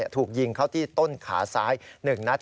ถูกยิงเข้าที่ต้นขาซ้าย๑นัด